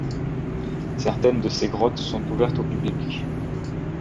Certaines de ces grottes sont ouvertes au public.